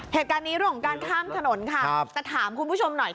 เหตุการณ์นี้เรื่องของการข้ามถนนค่ะแต่ถามคุณผู้ชมหน่อย